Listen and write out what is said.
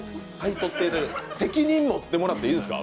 責任持ってもらっていいですか？